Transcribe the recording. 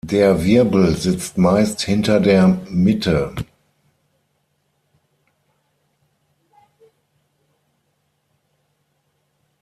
Der Wirbel sitzt meist hinter der Mitte.